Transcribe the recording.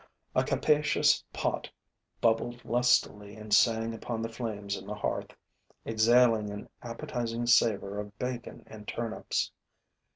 A capacious pot bubbled lustily and sang upon the flames in the hearth, exhaling an appetizing savor of bacon and turnips.